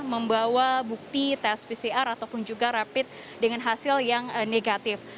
membawa bukti tes pcr ataupun juga rapid dengan hasil yang negatif